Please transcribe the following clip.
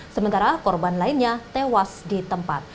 sementara korban lainnya tewas di tempat